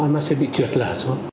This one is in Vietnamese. nó sẽ bị trượt lở xuống